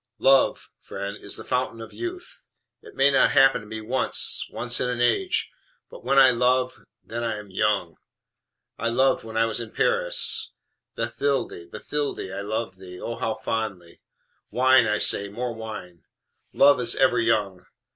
"LOVE, friend, is the fountain of youth! It may not happen to me once once in an age: but when I love then I am young. I loved when I was in Paris. Bathilde, Bathilde, I loved thee ah, how fondly! Wine, I say, more wine! Love is ever young.